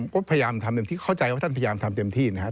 ก็พยายามทำเต็มที่เข้าใจว่าท่านพยายามทำเต็มที่นะครับ